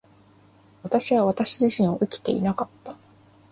私は私自身を生きていなかった。